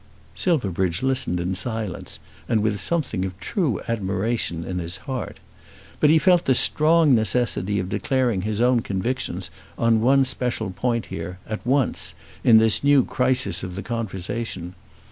Silverbridge listened in silence and with something of true admiration in his heart. But he felt the strong necessity of declaring his own convictions on one special point here, at once, in this new crisis of the conversation.